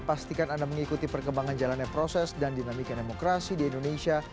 pastikan anda mengikuti perkembangan jalannya proses dan dinamika demokrasi di indonesia